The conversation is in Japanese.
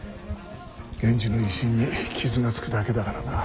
源氏の威信に傷がつくだけだからな。